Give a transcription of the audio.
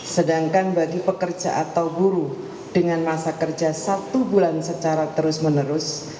sedangkan bagi pekerja atau buru dengan masa kerja satu bulan secara terus menerus